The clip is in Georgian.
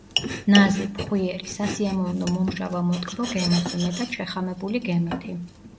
ნაზი, ფხვიერი, სასიამოვნო მომჟავო მოტკბო გემოსი, მეტად შეხამებული გემოთი.